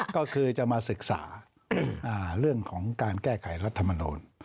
ก็คือจะมาศึกษาเรื่องของการแก้ไขรัฐมนูล